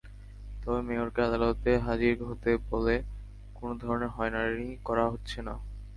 তবে মেয়রকে আদালতে হাজির হতে বলে কোনো ধরনের হয়রানি করা হচ্ছে না।